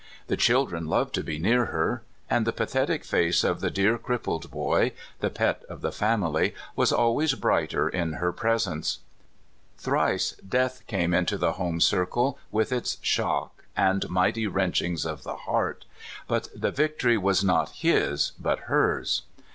The children loved to be near her; and the pathetic face of the dear crippled boy, the pet of the family, was always brighter in her pres ence. Thrice death came into the home circle with CAMILLA CAIN. 81 its shock and mighty wrench ings of the heart, but the victory was not his, but hers.